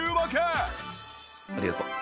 ありがとう。